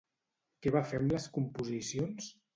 Què va fer amb les composicions?